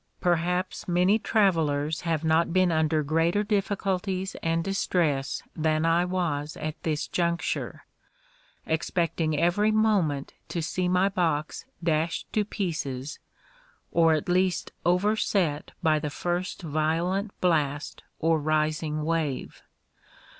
Perhaps many travellers have not been under greater difficulties and distress than I was at this juncture, expecting every moment to see my box dashed to pieces, or at least overset by the first violent blast or rising wave.